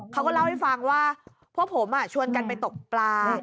เขาก็เล่าให้ฟังว่าพวกผมชวนกันไปตกปลา